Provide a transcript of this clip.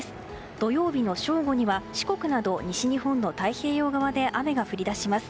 土曜日の正午には四国など西日本の太平洋側で雨が降り出します。